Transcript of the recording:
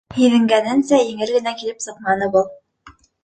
Һиҙенгәненсә, еңел генә килеп сыҡманы был.